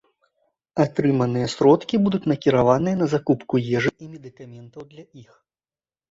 Атрыманыя сродкі будуць накіраваныя на закупку ежы і медыкаментаў для іх.